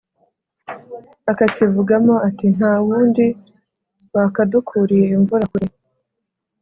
akakivugamo ati:ntawundi wakadukuriye imvura kure,